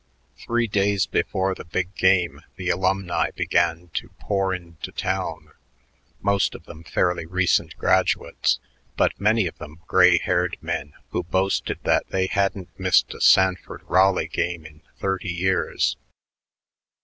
Three days before the "big game" the alumni began to pour into town, most of them fairly recent graduates, but many of them gray haired men who boasted that they hadn't missed a Sanford Raleigh game in thirty years.